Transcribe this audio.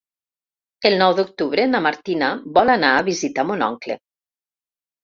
El nou d'octubre na Martina vol anar a visitar mon oncle.